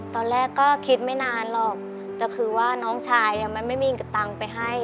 ตอนแรกก็คิดไม่นานหรอกแต่คือว่าน้องชายมันไม่มีตังค์ไปให้